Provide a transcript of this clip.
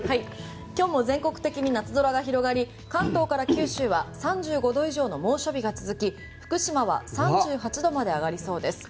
今日も全国的に夏空が広がり関東から九州は３５度以上の猛暑日が続き福島は３８度まで届きそうです。